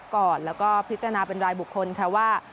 ก่อนแล้วก็พิจารณาเป็นรายบุคคลค่ะว่า